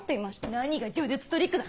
何が叙述トリックだ